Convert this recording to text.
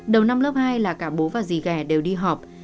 đầu năm lớp hai là cả bố và dì ghe đều đi học